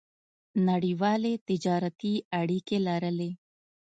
نړیوالې تجارتي اړیکې لرلې.